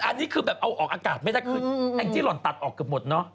อันนี้คือแบบเอาออกอากาศไม่ได้คือแองจี้หล่อนตัดออกเกือบหมดเนอะ